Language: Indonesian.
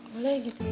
boleh gitu ya